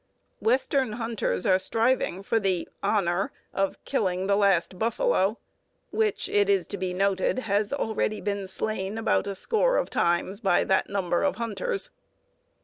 Western hunters are striving for the honor (?) of killing the last buffalo, which, it is to be noted, has already been slain about a score of times by that number of hunters.